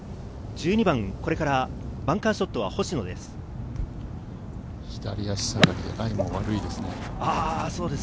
１２番、これからバンカーショットは星野です。